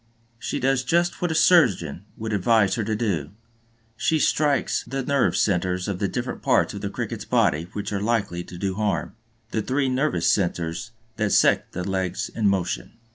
She does just what a surgeon would advise her to do; she strikes the nerve centers of the different parts of the Cricket's body which are likely to do harm, the three nervous centers that set the legs in motion.